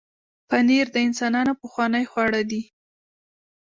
پنېر د انسانانو پخوانی خواړه دی.